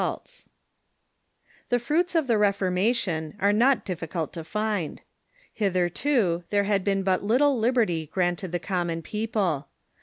] The fruits of the Reformation are not difficult to find. Hitherto there had been but little liberty granted the coramon people.